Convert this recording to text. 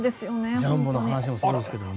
ジャンボの話もそうですけどね。